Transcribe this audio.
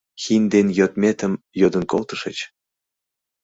Хин ден йодетым йодын колтышыч?